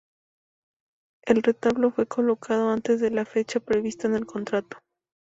El retablo fue colocado antes de la fecha prevista en el contrato.